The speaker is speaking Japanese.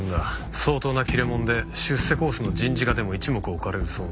相当な切れ者で出世コースの人事課でも一目置かれる存在。